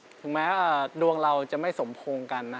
ผมก็คิดว่าเราน่าจะเข้ากันได้ดี